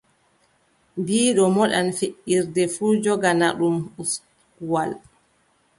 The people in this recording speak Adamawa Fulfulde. Biiɗo moɗan feʼirde fuu, jogana ɗum uskuwal.